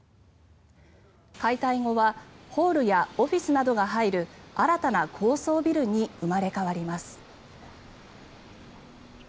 解体後はホールやオフィスなどが入る新たな高層ビルに生まれ変わります。